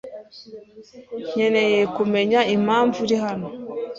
Nkeneye kumenya impamvu uri hano.